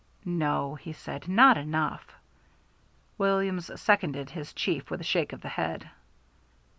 "No," he said, "not enough." Williams seconded his chief with a shake of the head.